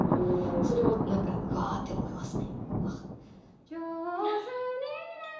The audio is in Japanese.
それを何かうわーって思いますね。